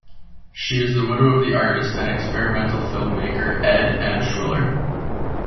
She is the widow of the artist and experimental filmmaker Ed Emshwiller.